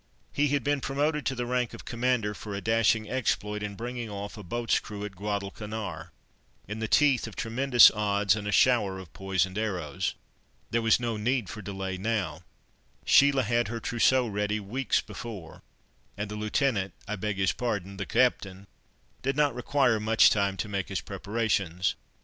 He had been promoted to the rank of Commander for a dashing exploit in bringing off a boat's crew at Guadalcanar, in the teeth of tremendous odds, and a shower of poisoned arrows. There was no need for delay now—Sheila had her trousseau ready weeks before, and the Lieutenant—I beg his pardon, the Captain—didn't require much time to make his preparations.